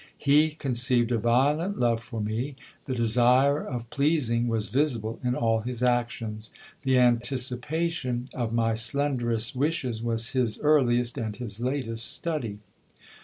He con ceived a violent love for me : the desire of pleasing was visible in all his actions : the anticipation of my slenderest wishes was his earliest and his latest study.